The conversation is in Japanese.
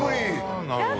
舛なるほど。